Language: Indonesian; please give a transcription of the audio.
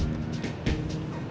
tidak ada yang bisa dihukum